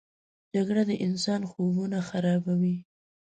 جګړه د انسان خوبونه خرابوي